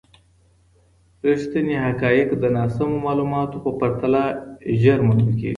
ریښتیني حقایق د ناسمو معلوماتو په پرتله ژر منل کیږي.